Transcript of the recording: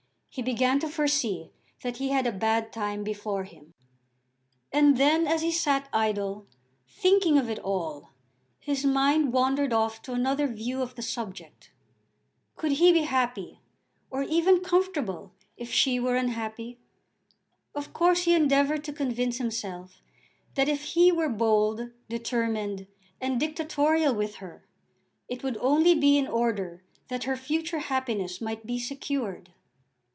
He began to foresee that he had a bad time before him. And then as he still sat idle, thinking of it all, his mind wandered off to another view of the subject. Could he be happy, or even comfortable, if she were unhappy? Of course he endeavoured to convince himself that if he were bold, determined, and dictatorial with her, it would only be in order that her future happiness might be secured.